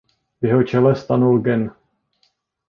V jeho čele stanul gen.